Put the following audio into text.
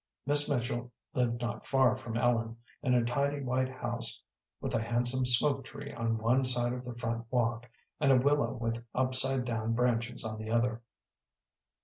Miss Mitchell lived not far from Ellen, in a tidy white house with a handsome smoke tree on one side of the front walk and a willow with upside down branches on the other.